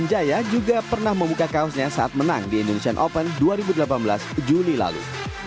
jaya juga pernah membuka kaosnya saat menang di indonesian open dua ribu delapan belas juli lalu